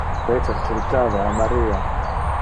Peter critava a Maria.